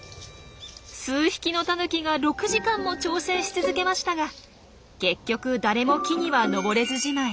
数匹のタヌキが６時間も挑戦し続けましたが結局誰も木には登れずじまい。